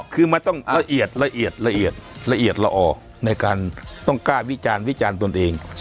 คือมันต้องละเอียดละออกในการต้องก้าวิจารณ์วิจารณ์ตนเอง